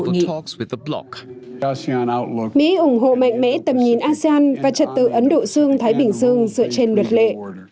mỹ ủng hộ mạnh mẽ tầm nhìn asean và trật tự ấn độ dương thái bình dương dựa trên luật lệ